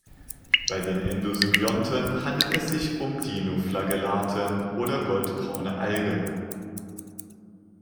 Bei den Endosymbionten handelt es sich um Dinoflagellaten oder Goldbraune Algen.